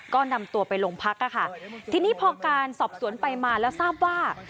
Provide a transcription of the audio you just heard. ก็นำตัวไปโรงพักอะค่ะทีนี้พอการสอบสวนไปมาแล้วทราบว่า